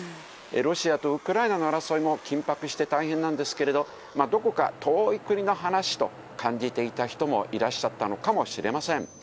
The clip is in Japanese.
ロシアとウクライナの争いも緊迫して大変なんですけれども、どこか遠い国の話と感じていた人もいらっしゃったのかもしれません。